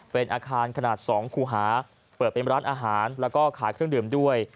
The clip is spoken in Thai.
เป็นอาคารขนาด๒คูหาเปิดเป็นร้านอาหารแล้วก็ขายเครื่องดื่มด้วย